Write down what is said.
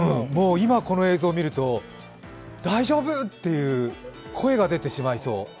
今、この映像を見ると、大丈夫？って声が出てしまいそう。